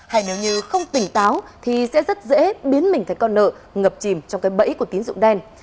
hay nếu như không tỉnh táo thì sẽ rất dễ biến mình thành con nợ ngập chìm trong cái bẫy của tín dụng đen